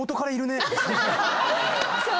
そう。